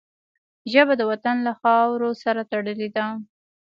ژبه د وطن له خاورو سره تړلې ده